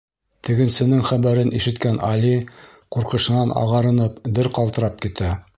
Тегенсенең хәбәрен ишеткән Али ҡурҡышынан ағарынып, дер ҡалтырап китә.